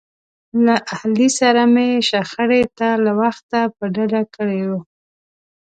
له علي سره مې شخړې ته له وخته په ډډه کړي و.